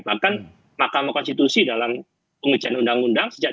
bahkan mahkamah konstitusi dalam pengujian undang undang sejak dua ribu tujuh